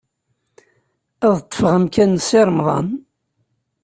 Ad ṭṭfeɣ amkan n Si Remḍan.